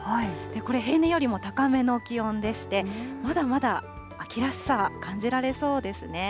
これ平年よりも高めの気温でして、まだまだ秋らしさ感じられそうですね。